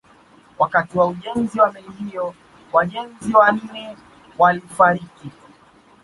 Wakati wa ujenzi wa meli hiyo wajenzi wanane walifariki